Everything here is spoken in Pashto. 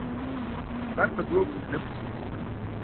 لمرپه دوو ګوتو نه پټيږي